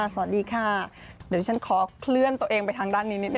สวัสดีค่ะเดี๋ยวฉันขอเคลื่อนตัวเองไปทางด้านนี้นิดน